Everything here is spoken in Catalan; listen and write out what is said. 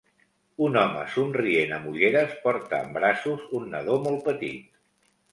Un home somrient amb ulleres porta en braços un nadó molt petit.